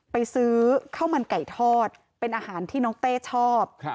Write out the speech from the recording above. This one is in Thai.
ไปซื้อข้าวมันไก่ทอดเป็นอาหารที่น้องเต้ชอบ